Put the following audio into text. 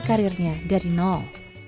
karirnya dari nol